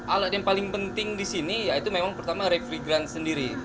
alat yang paling penting di sini ya itu memang pertama refrigerant sendiri